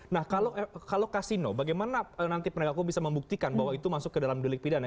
nah kalau kasino bagaimana nanti penegak hukum bisa membuktikan bahwa itu masuk ke dalam delik pidana